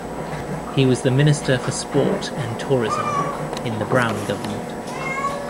He was the Minister for Sport and Tourism in the Brown Government.